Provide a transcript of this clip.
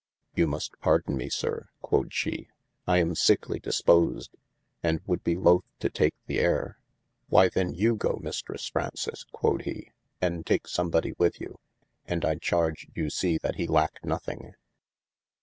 You must pardon me sir (quod she,) I am sickely disposed, and would be loth to take the ayre, why then go you mistres Fraunces (quod he) and take some body with you : and I charge you see that he lacke nothing.